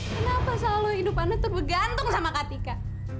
kenapa selalu hidup ana tuh bergantung sama kak tika